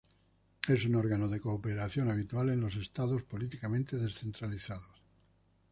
Es un órgano de cooperación habitual en los estados políticamente descentralizados.